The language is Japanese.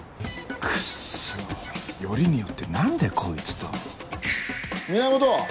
クッソよりによって何でこいつと源！